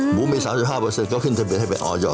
หมูมี๓๕ก็ขึ้นเป็นจะไปอ้อยออ